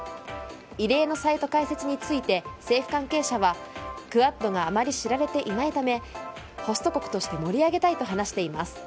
異例のサイト開設について政府関係者はクアッドがあまり知られていないためホスト国として盛り上げたいと話しています。